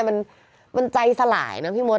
มันใจสลายนะพี่มด